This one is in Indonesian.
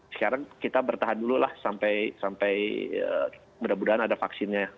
sekarang kita bertahan dulu lah sampai mudah mudahan ada vaksinnya